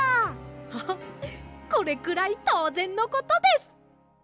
ハハッこれくらいとうぜんのことです！